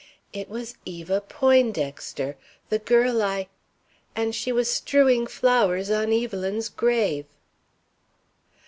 It was Eva Poindexter, the girl I And she was strewing flowers on Evelyn's grave.